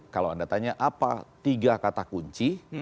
kalau anda tanya apa tiga kata kunci